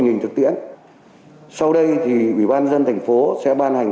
tình hình thực tiễn sau đây thì ủy ban dân thành phố sẽ ban hành